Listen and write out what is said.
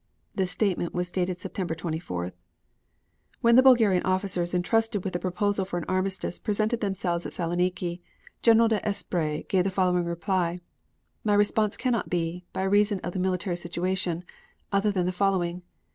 This statement was dated September 24th. When the Bulgarian officers entrusted with the proposal for an armistice presented themselves at Saloniki, General d'Esperey gave the following reply: "My response cannot be, by reason of the military situation, other than the following.